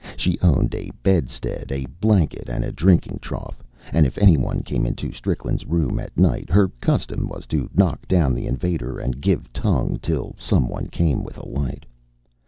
She owned a bedstead, a blanket, and a drinking trough, and if any one came into Strickland's room at night, her custom was to knock down the invader and give tongue till some one came with a light.